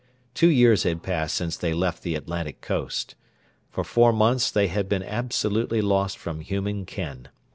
Two years had passed since they left the Atlantic coast. For four months they had been absolutely lost from human ken.